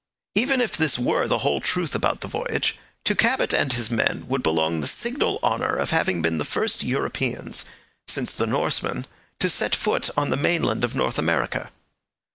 Even if this were the whole truth about the voyage, to Cabot and his men would belong the signal honour of having been the first Europeans, since the Norsemen, to set foot on the mainland of North America.